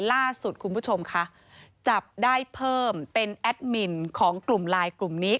ล่าสุดคุณผู้ชมค่ะจับได้เพิ่มเป็นแอดมินของกลุ่มไลน์กลุ่มนี้